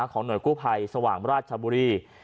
หน่วยกู้ภัยสว่างราชบุรี